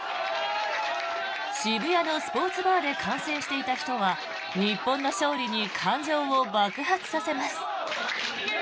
渋谷のスポーツバーで観戦していた人は日本の勝利に感情を爆発させます。